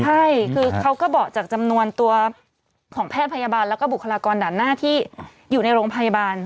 ใช่คือเขาก็บอกจากจำนวนตัวของแพทย์พยาบาลแล้วก็บุคลากรด่านหน้าที่อยู่ในโรงพยาบาล